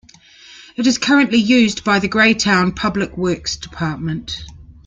It is currently used by the Greytown public works department.